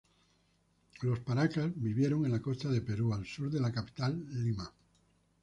Los Paracas vivieron en la costa de Perú, al sur de la capital Lima.